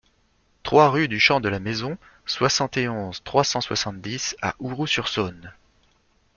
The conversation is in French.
trois rue du Champ de la Maison, soixante et onze, trois cent soixante-dix à Ouroux-sur-Saône